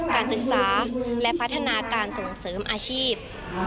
การศึกษาและพัฒนาการส่งเสริมอาชีพ